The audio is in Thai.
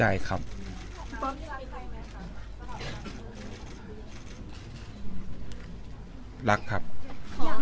อยากมีข่าวอยากมีข่าวว่าได้จดทะเบียนสมรสกันมาก่อนหน้านี้แล้ว